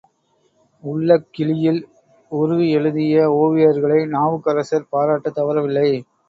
உள்ளக் கிழியில் உரு எழுதிய ஓவியர்களை நாவுக்கரசர் பாராட்டத் தவறவில்லை.